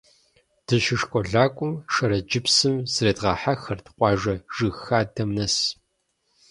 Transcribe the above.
Дыщышколакӏуэм Шэрэджыпсым зредгъэхьэхырт къуажэ жыгхадэм нэс.